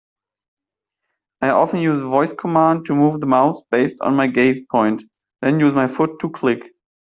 I often use a voice command to move the mouse based on my gaze point, then use my foot to click.